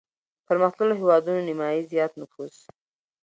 پرمختلليو هېوادونو نيمايي زيات نفوس